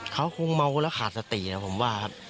เขาคงเมาแล้วขาดสตินะผมว่าครับ